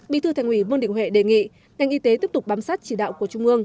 bí thư thành ủy vương đình huệ đề nghị ngành y tế tiếp tục bám sát chỉ đạo của trung ương